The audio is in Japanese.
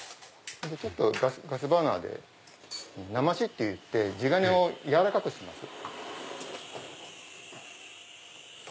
ちょっとガスバーナーでなましっていって地金を軟らかくします。